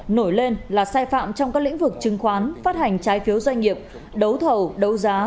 nổi lên là sai phạm trong các lĩnh vực chứng khoán phát hành trái phiếu doanh nghiệp đấu thầu đấu giá